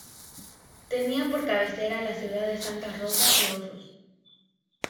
Tenía por cabecera a la ciudad de Santa Rosa de Osos.